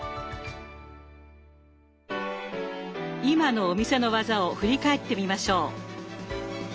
今のお店の技を振り返ってみましょう。